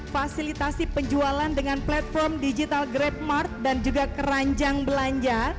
fasilitasi penjualan dengan platform digital grabmart dan juga keranjang belanja